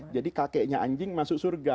jadi kakeknya anjing masuk surga